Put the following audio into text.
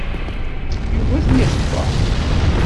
Yugi ad ten-ixebber.